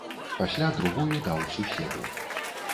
Пасля другую даў суседу.